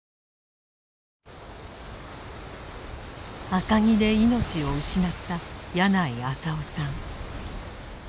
赤城で命を失った矢内浅雄さん。